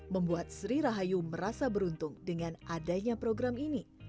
membuat sri rahayu merasa beruntung dengan adanya program ini